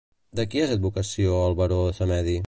De qui és advocació el Baró Samedi?